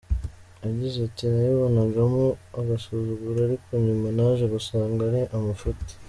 Yagize ati “Nabibonagamo agasuzuguro ariko nyuma naje gusanga ari amafuti.